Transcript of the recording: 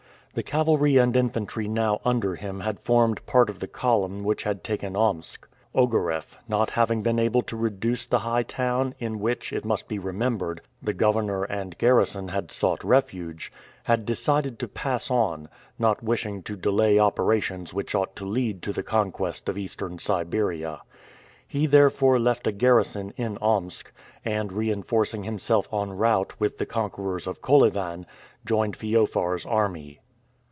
The cavalry and infantry now under him had formed part of the column which had taken Omsk. Ogareff, not having been able to reduce the high town, in which, it must be remembered, the governor and garrison had sought refuge, had decided to pass on, not wishing to delay operations which ought to lead to the conquest of Eastern Siberia. He therefore left a garrison in Omsk, and, reinforcing himself en route with the conquerors of Kolyvan, joined Feofar's army.